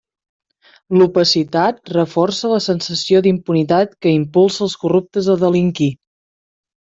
L'opacitat reforça la sensació d'impunitat que impulsa els corruptes a delinquir.